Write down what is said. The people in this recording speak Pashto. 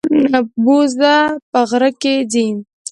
بوزه په غره کې ځي.